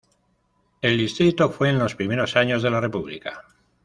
El distrito fue en los primeros años de la República.